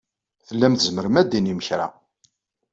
Tellam tzemrem ad d-tinim kra.